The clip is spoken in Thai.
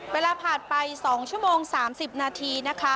เวลาผ่านไป๒ชั่วโมง๓๐นาทีนะคะ